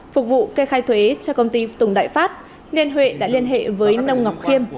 phục vụ kê khai thuế cho công ty tùng đại phát nên huệ đã liên hệ với nông ngọc khiêm